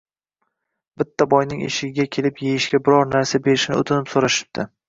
Bitta boyning eshigiga kelib, yeyishga biror narsa berishini o‘tinib so‘rashibdi.